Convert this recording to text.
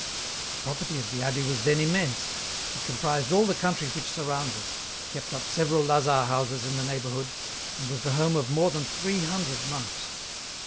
*' The property of the abbey was then immense ; it comprised all the country which surrounds us, kept up several lazar houses in the neighbourhood, and was the home of more than three hundred monks.